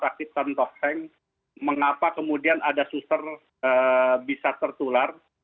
rumah sakit tontosek mengapa kemudian ada susur bisa tertular